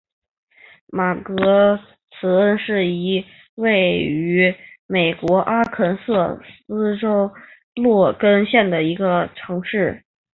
马格兹恩是一个位于美国阿肯色州洛根县的城市。